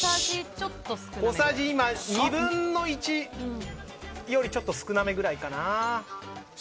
小さじ２分の１よりちょっと少なめぐらいかな。